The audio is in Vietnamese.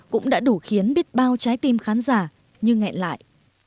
cũng đã đủ khiến biết bao trái tim khán giả như nghẹn lại